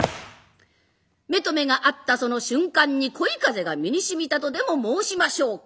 目と目が合ったその瞬間に恋風が身にしみたとでも申しましょうか。